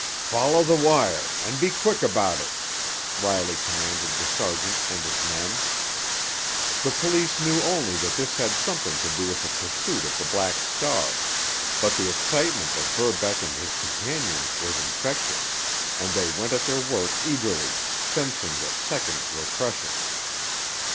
"Follow the wire—and be quick about it!" Riley commanded the sergeant and his men. The police knew only that this had something to do with the pursuit of the Black Star, but the excitement of Verbeck and his companions was infectious, and they went at their work eagerly, sensing that seconds were precious.